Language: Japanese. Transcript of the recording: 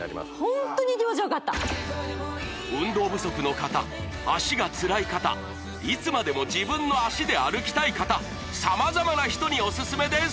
ホントに気持ちよかった運動不足の方足がつらい方いつまでも自分の足で歩きたい方様々な人にオススメです